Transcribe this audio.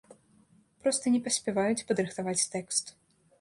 Проста не паспяваюць падрыхтаваць тэкст.